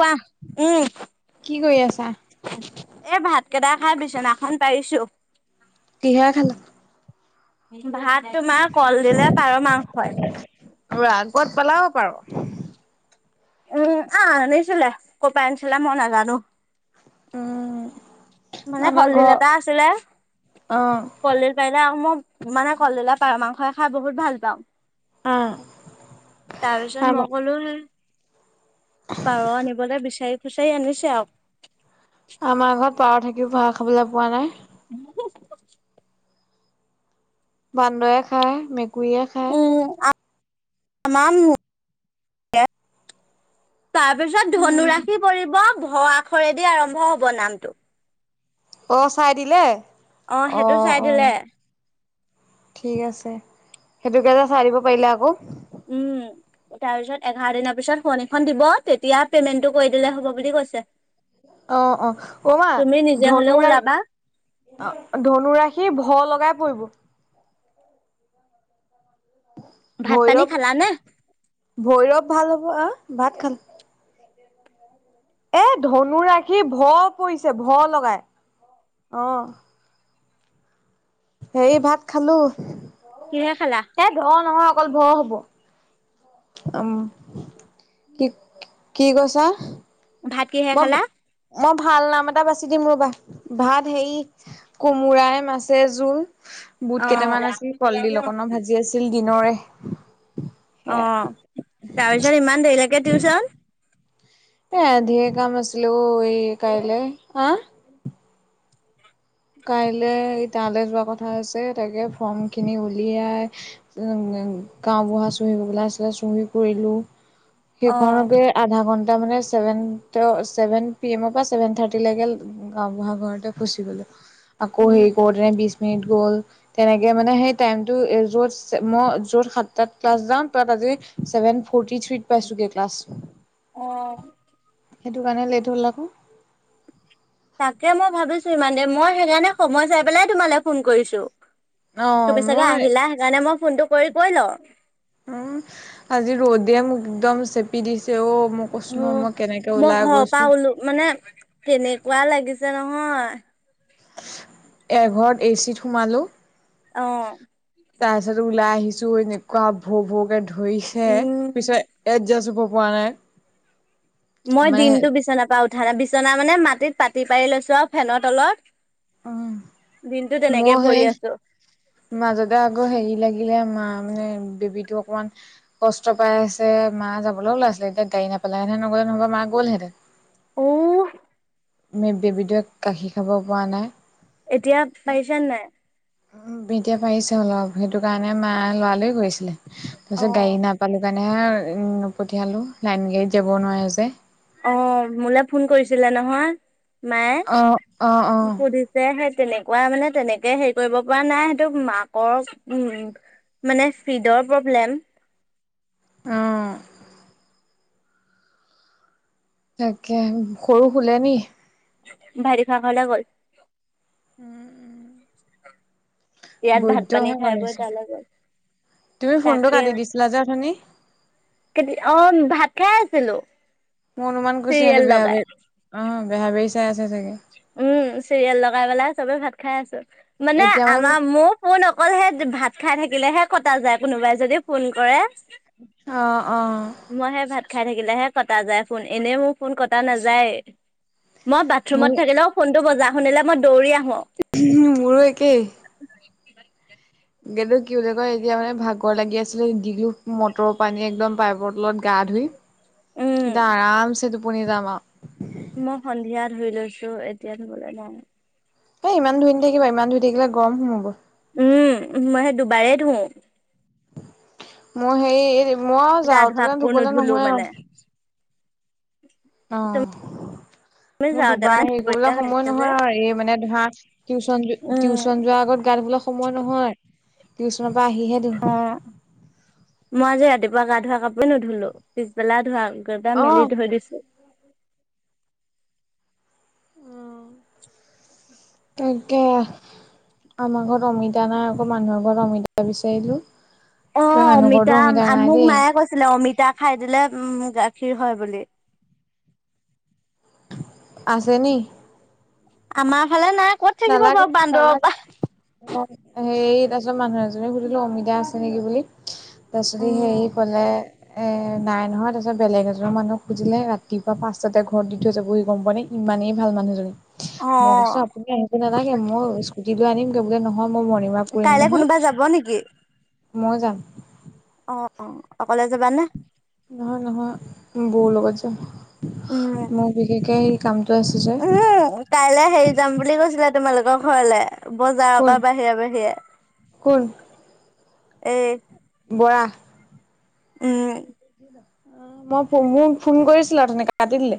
কোৱা। উম কি কৰি আছা? এ ভাত কেটা খাই বিছনা খন পাৰিছো। ইয়ে খালা ভাত তোমাৰ কলদিলে পাৰ মাংসয়ে আৰু আগত পেলাৱ পাৰ। উম আ আনিছিলে কপাই আনিছিলে মই নাজানো। উম। মানে আমাৰ কলদিল ঘৰ এটা আছিলে অ' কলদিল পাৰিলে আকৌ মই মানে কলদিলে পাৰ মাংস খাই বহুত ভাল পাওঁ। আ তাৰপিছত মই আমাৰ কলুয়ে পাৰ আনিবগে বিচাৰি খুচাৰি আনিছে আউক। আমাৰ ঘৰত পাৰ থাকিও পাৰ খাবলৈ পোৱা নাই। [inaudible] বান্দৰে খায়, মেকুৰীয়ে খায়। আমাম মু তাৰ পিছত ধনুৰাশি পৰিব 'ভ' আখৰেদি আৰম্ভ হ'ব নামটো। অ চাই দিলে? অ সেইটো চাই দিলে। ঠিক আছে সেইটোকে যে চাই দিব পাৰিলে আকৌ। উম তাৰ পিছত এঘাৰ দিনৰ পিছত শুৱনি খন দিব তেতিয়া পেমেন্টটো কৰি দিলে হ'ব বুলি ক কৈছে। অ অ, অ' মা তুমি নিজে হলেও ধনুৰা ওলাবা ধনুৰাশি 'ভ' লগাই পৰিব। ভাত পানী ভৈৰৱ খালানে? ভৈৰৱ ভাল হ'ব আ ভাত খাল এ ধনুৰাশি 'ভ' পৰিছে 'ভ' লগাই অ। হেৰি ভাত খালো, কিহে খালা? এ 'ধ' নহয় অকল 'ভ' হ'ব। উম কি কি কৈছা? ভাত কিহে মব খালা? মই ভাল নাম এটা বাছি দিম ৰবা। ভাত হে কোমোৰায়ে মাছে জোল বুট অ কেইটামান আছিল কলদিল অকনমান ভাজি আছিল দিনৰে। অ সে তাৰপিছত ইমান দেৰিলৈকে টিউচন? এ ধেৰ কাম আছিলে অ এই কাইলে হা কাইলে এই তালে যোৱা কথা আছে তাকে ফৰ্ম খিনি উলিয়াই উম গাওঁবুঢ়া চহী [unintelligible] আছে চহী কৰিলো অ সেইখনকে আধা ঘন তাৰমানে চেভেন ট ছেভেন পিএমৰ পৰা ছেভেন থাৰ্টি লৈকে গাঁওবুঢ়া ঘৰতে ফচি গ'লো। আকৌ উম হেই কৰোতে বিশ মেত গ'ল তেনেকে মানে সেই টাইম টো এ য'তচ ম য'ত সাতাত ক্লাছ যাম তাত আ [unintelligible] চেভেন ফৰ্তী থ্ৰীত পাইছোগে ক্লাছ। অ। সেইটো কাৰণে লেট হ'ল আকৌ। তাকে মই ভাবিছো ইমান দে মই সেইকাৰণে সময় চাই পেলাই তোমালে ফোন কৰিছো। অ' তুমি চাগে মই আহিলা সেইকাৰণে মই ফোনটো কৰি কৈ লও উম আজি ৰদ দিয়ে মোক একদম চেপি দিছে অঔ অ মই ঘৰৰ পৰা ওলো মানে কেনেকুৱা লাগিছে জ নহয় এঘৰত এ চিত সোমালোঁ অ তাৰপিছত ওলাই আহিছো এনেকুৱা ভৌ ভৌকে ধৰিছে উম পিছত ইয়াত যাইছো ব পোৱা নাই মই মানে দিনতটো বিচনাৰ পৰা উঠা নাই বিছনা মানে মাটিত পাতি পাৰি লৈছো আৰু ফেনৰ তলত দিনটো উ তেনেকে মোৰ পৰি সেই আছো মাজতে আকৌ হেৰি লাগিল লিলে মা মানে বেবীতো অকণমান কষ্ট পাই আছে মা যাবলৈ ওলাই আছিলে এতিয়া গাড়ী ন পেহন নগলে নহা মা গলহেতেন অ মে বেবিটোয়ে গাখি খাব পৰা নাই এতিয়া পাইছেনে নাই উ এতিয়া পাৰিছে অলপ সেইটো কাৰণে মা লৰালই কৰিছিলে তাৰ অ পিছত গাড়ী নাপালো কাৰণে হে উম নপঠিয়ালো লাইন গাড়ীত যাবও নোৱাৰে যে অ মোলে ফোন কৰিছিলে নহয় মায়ে অ অ অ সুধিছে সেই তেনেকুৱা মানে তেনেকে হেৰি কৰিব পৰা নাই সেইটো মাকৰ উম মানে ফ্ৰীডৰ প্ৰব্লেম আহ তাকে সৰু খুলেনি ভৰিী খোৱা খা গ'ল উম উম ইয়াত ভাত পানী হৈ খাই গ'ল বৈ হৈছে। তাল আগত তুমি ফোনটো কাটি দিছিলা যেথনী কেতি অ ভাত খাই আছিলো মোৰ অনুমান কুচি চিৰিয়েল আহলি বেয়া লগাই ব অ বেয়া বাৰী চাই আছ উম চিৰিয়েল লগাই পেলাই চবে ভাত খাই আছো মানে এতিয়া মোক আমাৰ মোৰ পোনোন অকল সে ভাত খাই থাকিলেহে কটা যায় কোনোবাই যদি ফোন কৰে অ অ মই সেই ভাত খাই থাকিলে হে কটা যায় ফোন এনেই মোৰ ফোন কটা নাযায় মই মোৰ বাথৰুমত থাকিলেও ফোনটো বজ শুনিলে মই দৌৰি আহো মোৰো একেই কি কিন্তু কি বুলি কয় এতিয়া মানে ভাগৰ লাগি আছিলে দিঘলো মটৰৰ পানী একদম পাইপৰ তলত গা া ধুই এতিয়া উম আৰামছে টোপনি যাম আৰু মই সন্ধিয়া ধুই লৈছো এতিয়া ধুবলৈ নাই এ ইমান ধুই নথাকিবা ইমান ধুই থাকিলে গৰম সোমাব উম মই সে দুবাৰে ধুও মই হেৰি মই গা ধোৱা যাওঁতেতে কাপোৰ ধুবলৈ নুধুলো নহয় আৰু মানে আহ আমি মোৰ যাওঁতে মানে দুবাৰ হেৰি দুপৰীয়া কৰিবলৈ হৈ সময় থাকে যে নহয় আৰু এই মানে ধৰা টিউচন উম টিউশচন যোৱাৰ আগত গাত বলাক য় নহয় পৰা আহিহে অ ধুও মই আজি ৰাতিপুৱা গা ধোৱা কাপৰে নুধুলো পিছবেলা ধোৱা টা অ মেলি ধৈ দিছো উম ত তাকে আমাৰ ঘৰত অমিতা নাই আকৌ মানুহৰ ঘৰত অমিতা বিচাৰিলো অ' মানুহ ঘৰতো অমিতা নাই মোক দেই মায়ে কৈছিলে অমি তা খাই দিলে উম গাখীৰ হয় বুলি। আছে নি। মাৰ ফালে নাই ক'ত থাকিব নালাগে বাৰু বান্দৰৰ পৰা হেৰি তাৰপিছত মানুহ এজনী সুধিলো অমিতা আছে নেকি বুলি। তাৰপছৰি উম হেৰি ক'লে এ নাই নহয় তাৰপিছত বেলেগ এজন মানুহক খুজিলে, ৰাতিপুৱা পাঁচটাতে ঘৰত দি থৈ যাবহি গম পায় নে। ইমানেই ভাল মানুহজনী অ মই কৈছো আপুনি আহিব নালাগে মই স্কুটি লৈ আনিম বোলে নহয়। মই মণিং ৱাৰ্ক কৰিম কাইলে নহয়, কোনোবা যাব নেকি মই যাম। অ', - অ' অকলে যাবানে? নহয়, নহয় বৌ লগত যাম। উম মোৰ বিশেষকে এই কাম এটো আছিলে। উম কাইলে হেৰি যাম বুলি কৈছিলে তোমালোকৰ ঘৰলে। বজাৰৰ কোন পৰা বাহিৰে বাহিৰে কোন এই বৰা। উম'। মই ফোন কৰিছিলো অথনি কাটি দিলে।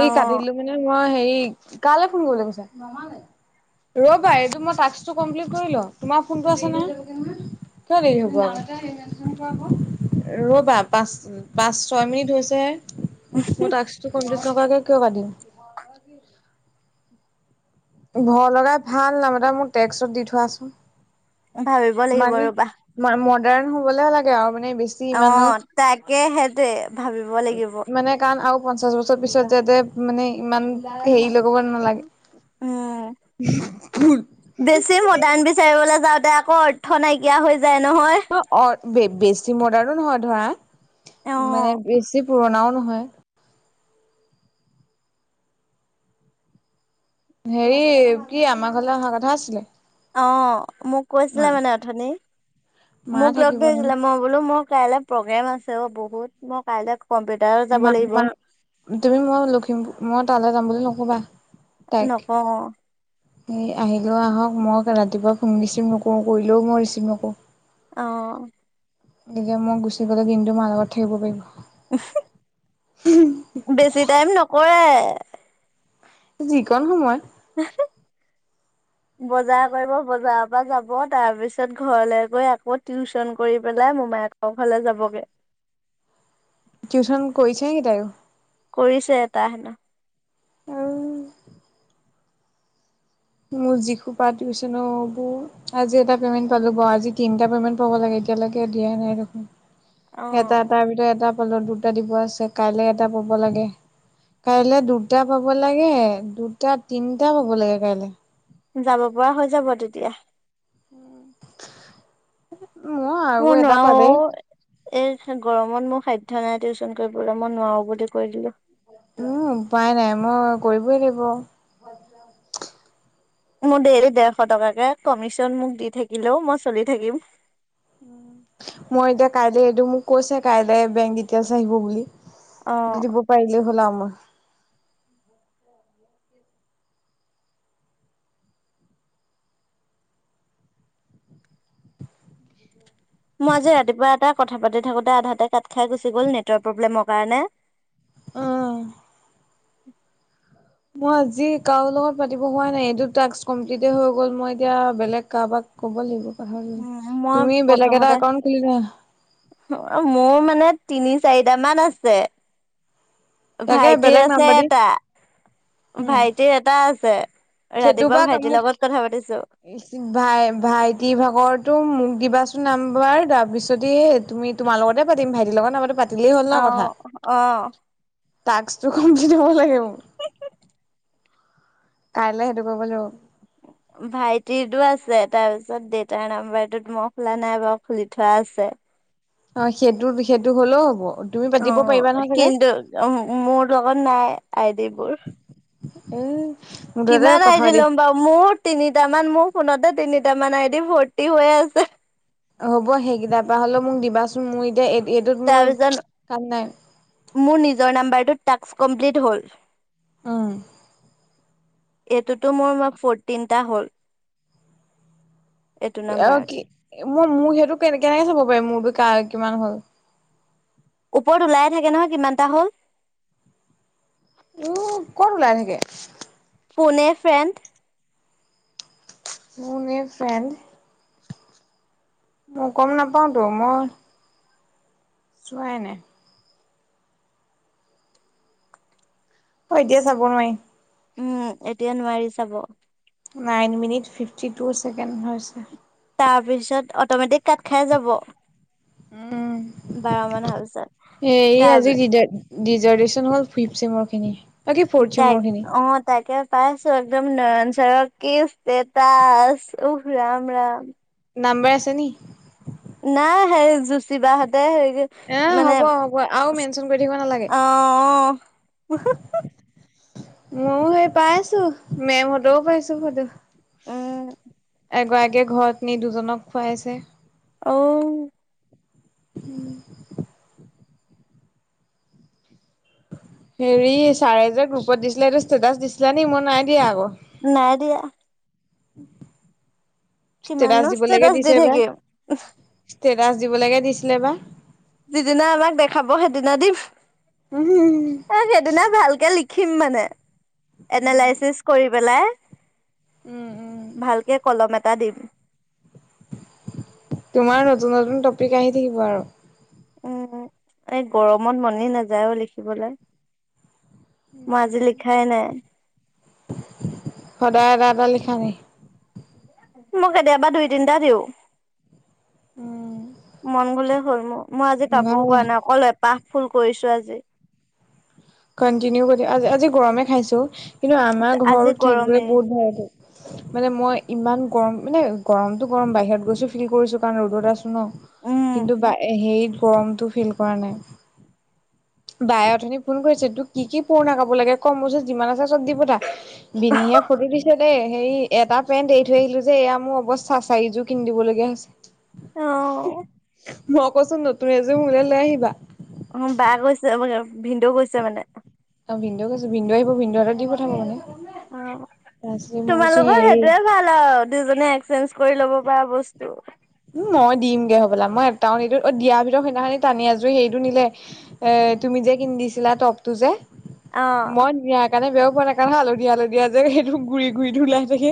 অ কাটি দিলো মানে মই হেৰি কালৈ ফোন কৰিলে কৈছা। ৰবা এইটো মই টাক্সটো কমপ্লেট কৰি লও, তোমাৰ ফোনটো আছে নহয়। কিয় দেৰি হ'ব ৰবা। পাঁচ-পাঁচ ছয় মিনিট হৈছে মোৰ টাক্সটো কমপ্লিট। ককাকে কিয় কাটিম। ভয় লগাই ভাল নাম এটা মোক টেক্সত দি থোৱাচোন। ভাবিব লাগিব ৰবা। কাৰণ হ'বলেহে লাগে আৰু মানে বেছি ইমানো কেহেতে মানে কাৰণ আৰু পঞ্চাশ বছৰ পিছত যাতে মানে ইমান হেৰি কৰিব উম নালাগে। ততে আকৌ অৰ্থ নাইকিয়া হৈ যায় নহয়। ব বেছি মডাৰ্ণো নহয়, ধৰা অ মানে বেছি পুৰণাও নহয়। হেৰি কি আমাৰ ঘলৈ অহা কথা আছিলে। অ' মোক মা কৈছিলে মানে অথনি। মা মোক লগ থাকিব ধৰিছিলে মই বোলো মোৰ কাইলে প্ৰগ্ৰেম আছে অ' বহুত, মই কাইলে মা- ম তুমি মই লখিমপুৰ, মই তালৈ যাম বুলি নক'বা। তাইক নকও। এই আহিলোও আহক, মই ৰাতিপুৱাম ৰিচিভ নকৰো কৰিলেও মই ৰিচিভ নকৰো। অ'। গতিকে মই গুচি গ'লে দিনটো মাৰ লগত থাকিব পাৰিব। বেছি টাইম নকৰে। যিকন সময়ত [unintelligible] বজাৰ কৰিব বজাৰৰ পৰা যাব তাৰ পিছত ঘৰলে গৈ আকৌ টিউচন কৰি পেলাই ম'বাইল [unintelligible] ফালে যাবগে। টিউচন কৰিছে নেকি তাই। কৰিছে এটা। অহ। মোৰ যিখোপা টিউচনোৰ আজি এটা পেমেন্ট পালো বাৰু আজি পেমেণ্ট পৈব লাগে এতিয়ালৈকে দিয়াই নাই দেখোন, অ এটা এটাৰ ভিতৰত এটা লত দুটা দিব আছে, কাইলে এটা পাব লাগে। কাইলে দুটা পাব লাগে, দুটা, তিনটা পাব লাগে কাইলে। যাব পৰা হৈ যাব তেতিয়া। [inaudible] আৰু মই এটা নোৱাৰো পালেই অ, এই গৰমত মোৰ খাদ নাই টিউচন কৰিবলৈ মই নোৱাৰো বুলি কৈ দিলো। উম, উপায় নাই মই কৰিবই দাগিব। মোৰ দেৰি ডৰশ টকাকে কমিচন মোক দি থাকিলেও মই চলি থাকিম। মই এতিয়া কাইলে এইটো মোক কৈছে কাই বেং ডিটলছ আহিব বুলি যদিব পাই ল হল আম মই আজি ৰাতিপুৱা এটা কথা পাতি থাকোতে আধাতে কাট খাই গুচি গল নেটৱৰ প্ৰব্লেমৰ কাৰণে। অহ ', উম, মই আজি কাৰ লগত পাতি হোৱা নাই এইটো টাস্ক কমপ্লিতে হৈ গল মই এতিয়া বেলেগ কাৰবাক ক'ব লাগিবোৰ পাহৰি উম তুমি বেলেগ এটা একাউণ্ট খুলিলা। অ, মোৰ মানে তিনি চাৰিট মান আছে। তাকে ভাইটিৰ বেলেগ আছে নাম্বাৰ দি এটা উম ভাইটিৰ এটা আছে। সেইটো ৰাতিপুৱা বা ভাইটিৰ মোক লগত কথা পাতিছো। ভাই- ভাইটি ভাগৰৰতো মগ দিবা নাম্বাৰ তাৰ পিছতে তুমি তোমাৰ লগতে পাতিম ভাইটিৰ লগৰ নামতে পাতিম। আহ - আহ। টাক্সটো কম দি দিব লাগিব। কাইলৈ সেইটো কৰিব লাগিব। উ [inaudible] ভাইটিৰো আছে তাৰ পিছত দেতাৰ নাম্বাৰটো তোমই খোলা নাই বাৰু খুলি থোৱা আছে। অ, সেইটো - সেইটো হলেও হ'ব। তুমি অ, পাতিব পাৰিবা নহয় চাগে কিন্তু উম, মোৰ লগত নাই আইডিবোৰ। এ কিমান আহ ল'ম বাৰু মোৰ তিনিট মান মোৰ ফোনতে তিনি তাৰ মানে এদি ফৰ্তি হৈ আছে। হ'ব সেইকেইটাৰ পৰা হলেও মোক দিবাচোন। মোৰ এতিয়া এইটোত মোৰ তাৰপিছত কাম নাই। মোৰ নিজৰ নাম্বাৰটোত টাস্ক কমপ্লিট হ'ল। উম, এইটোতো মোৰ ম ফৰটিনটা হ'ল। এইটো অ নাম্বাৰ কি মই মোৰ সেইটো কেনে -কেনেকে চাব পাৰি মোৰতো ক কিমান হ'ল। ওপৰত ওলাইে থাকে নহয় কিমানটা হ'ল। উম, কত ওলাই থাকে। পুনে ফেণ্ড। মন ফন মই গম নাপাওতো মই চোৱাইনাই অ, এতিয়া চাব নোৱাৰিম। উম, এতিয়া নোৱাৰি চাব। Nine minute fifty two second হৈছে। তাৰপিছত অট'মেটিক কাত খাই যাব। উম, বাৰ মান হোৱাৰ পিছত সেই তাৰ আজিজাৰ্টেশচন হল ফ চম ত অ, তাকে পছ একদম নয়ন চ কিছ তে তাস উহ ৰাম - ৰাম। নাম্বাৰ আছে নি। নাই সেই যুচ বাহতে হে এ মানে হ'ব হ'ব আৰু মেনচন কৰি থাকিব নালাগে অ ময়ো সেই পাই আছো মেমতও পাইছো সুধো উম এগৰাকীয়ে ঘৰত নি দুজনক খুৱাইছে আহ উম হেৰি চাৰেজাৰ গ্ৰুপত দিছিলে এইটো ষ্টেটাচ দিছিলা নিে মই নাই দিয়া আকৌ নাই দয়া ষ্টেটাচ কিমাননো দিবলৈকে ষ্টেটাচ দি দিছে বা থাকিম। ষ্টেটাচ দিবলৈকে দিছিলে বা যিদিনা আমাক দেখাব সেইদিনা দিম উম। সেইদিনা ভালকে লি িম মানে উম, এনালাইচিচ কৰি পেলাই উম, উম, ভালকে কলম এটা দিম তোমাৰ নতুন নতুন টপিক আহি থাকিব আৰু উম এই গৰমত মনি নাযায়ও লিখিবলৈ মই আজি লিখাই নাই সদায়টাাদটা লিখ নী মোক কেতিয়াবা দুই তিনটা দিওঁ উম, মন গলে হ'ল মোৰ মই আজি কাপোৰ ভাল কোৱা নাই অক এপাহ ফুল কৰিছো আজি কন্টিনিউ কৰি আজ আজি গৰমে খাইছো কিন্তু আমাৰ আজি ঘৰতো থাকিবই গৰমে বহুত ভালটো মানে মই ইমান গৰম মানে গৰমটো গৰম বাহিৰত গৈছো ফিল কৰিছোঁ কাৰণ ৰ'দত আছোঁ ন'। উম, কিন্তু বা এ, হেৰিত গৰমতটো ফিল কৰা নাই। বাই অথনি ফোন কৰিছে তোক কি কি পুৰণা কাপোৰ লাগে কম বস্তু যিমান আছে চব দি পতা। বিনিয়ত ফটো দিছে দে। হেৰি এটা পেণ্ট এৰি থৈ আহিলো যে এয়া মোৰ অৱস্থা চাৰিজো কিনদিব লগীয়া হৈছে। অ'। মই কচোন নতুন এযোৰ মোলে লৈ আহিবা। ভিন্দেও গৈছে মানে? ভিনদৈ গৈছে ভিনদৈ আহিব ভিনদৰ হাতত দি পথাবা মানে। অ', তাৰপিছত মই কৈছো তোমালোকৰ হেৰি সেইটোয়ে ভাল আৰু দুজনে চেন্স কৰি ল'ব পাৰা বস্তু। মই দিমগে হ'বলা মই এটাও নিদিওঁ। অ', দিয়া ভিতৰত সেইদিনাখিনি টানি আজুৰি সেইটো নিলে। এ, তুমি যে কিনদিছিলা টপটো যে অ'। মই নিয়া কাৰেনে যেও কাঢ়া কাঢ়া হালধীয়া হালধীয়া যে সেইটো গুৰি গুৰি ধুলাই থাকে।